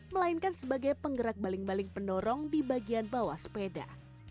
melainkan sebagai penggerak baling baling pendorong di bagian bawah sepeda